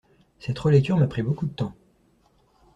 Cette relecture m'a pris beaucoup de temps.